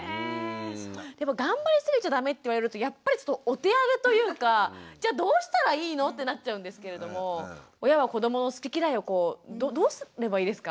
でも頑張りすぎちゃダメって言われるとやっぱりちょっとお手上げというかじゃあどうしたらいいのってなっちゃうんですけれども親は子どもの好き嫌いをどうすればいいですか？